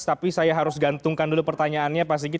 tapi saya harus gantungkan dulu pertanyaannya pak sigit